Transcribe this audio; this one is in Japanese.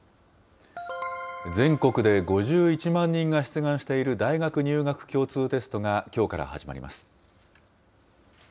全国で５１万人が出願している大学入学共通テストが、きょうから始まります。